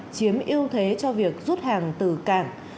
chiếm yêu thế cho việc rút hàng từ cảng